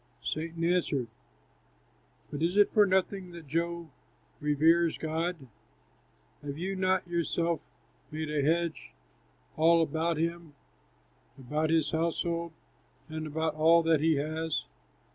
Satan answered, "But is it for nothing that Job reveres God? Have you not yourself made a hedge all about him, about his household, and about all that he has?